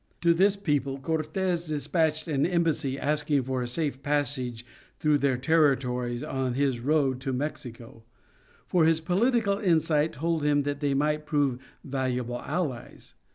To this people Cortes despatched an embassy asking for a safe passage through their territories on his road to Mexico, for his political insight told him that they might prove valuable allies.